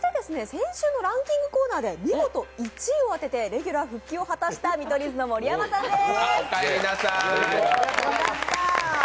先週のランキングコーナーて見事１位を当てて、レギュラー復帰を果たした見取り図の盛山さんです。